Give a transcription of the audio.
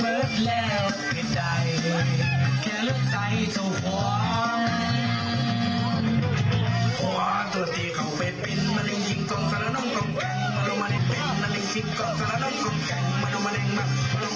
โป๊ะตัวที่เขาเพดปินมันยังจริงกลมดาลอายนี้หรือกลมแกรง